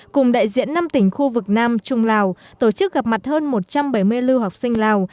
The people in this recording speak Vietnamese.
cùng đại diện năm tỉnh khu vực nam trung lào tổ chức gặp mặt hơn một trăm bảy mươi lưu học sinh lào